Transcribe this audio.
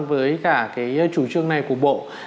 với cả cái chủ trương này của bộ